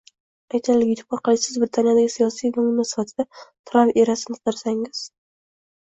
Aytaylik, YouTube orqali siz Britaniyadagi siyosiy namuna sifatida Tramp erasini qidirsangiz.